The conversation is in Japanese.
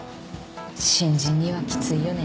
新人にはきついよね。